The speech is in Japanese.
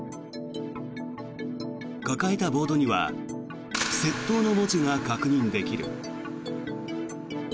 抱えたボードには「窃盗」の文字が確認できる。